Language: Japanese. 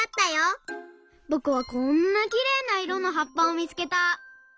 ぼくはこんなきれいないろのはっぱをみつけた！